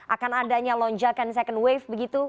akan adanya lonjakan second wave begitu